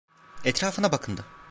Etrafına bakındı…